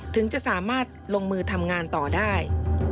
ถึงจะสามารถลงมือทำงานต่อได้